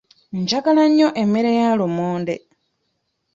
Njagala nnyo emmere ya lumonde.